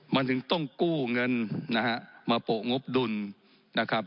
มันถึงต้องกู้เงินนะฮะมาโปะงบดุลนะครับ